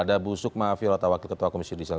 ada bu sukma virota wakil ketua komisi yudisyal